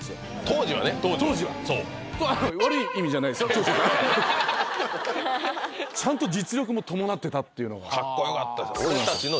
当時はちゃんと実力も伴ってたってかっこよかったですよ